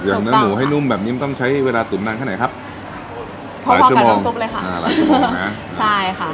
อย่างน้ำหมูให้นุ่มแบบนี้มันต้องใช้เวลาตุ๋มนานเท่าไหนครับพอกับทั้งซุปเลยค่ะหลายชั่วโมงนะใช่ค่ะ